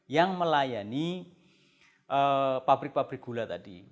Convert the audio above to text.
yang melayani pabrik pabrik gula tadi